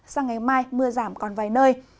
sáng ngày mai mưa giảm còn vài nơi